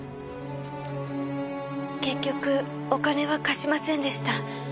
結局お金は貸しませんでした。